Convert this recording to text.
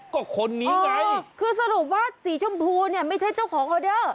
ก็คนนี้ไงคือสรุปว่าสีชมพูเนี่ยไม่ใช่เจ้าของออเดอร์